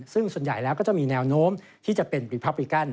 ซึ่งส่วนใหญ่แล้วก็จะมีแนวโน้มที่จะเป็นบีพับริกัน